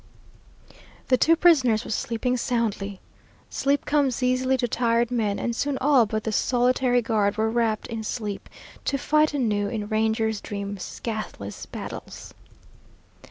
The two prisoners were sleeping soundly. Sleep comes easily to tired men, and soon all but the solitary guard were wrapped in sleep, to fight anew in rangers' dreams scathless battles!